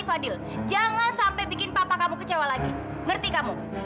udah lah tol bahan percuma